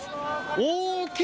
大きい！